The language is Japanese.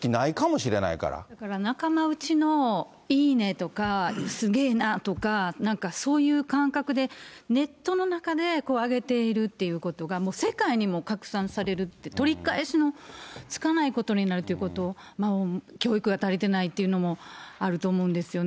だから、仲間内のいいねとか、すげーなとか、なんかそういう感覚で、ネットの中で上げているということが世界にも拡散されるって、取り返しのつかないことになるっていうことを、教育が足りてないというのもあると思うんですよね。